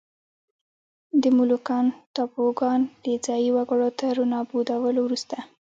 د مولوکان ټاپوګان د ځايي وګړو تر نابودولو وروسته.